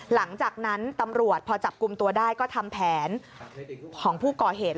หลังจากนั้นตำรวจพอจับกลุ่มตัวได้ก็ทำแผนของผู้ก่อเหตุ